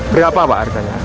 berapa pak harganya